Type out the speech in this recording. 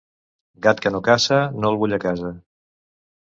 Gat que no caça no el vull a casa.